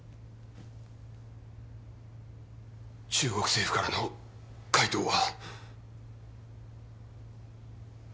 中国政府からの回答は？